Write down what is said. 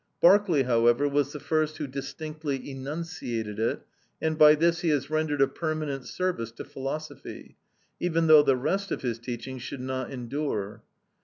Berkeley, however, was the first who distinctly enunciated it, and by this he has rendered a permanent service to philosophy, even though the rest of his teaching should not endure.